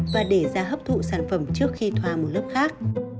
và để ra hấp thụ sản phẩm trước khi thoa một lớp khác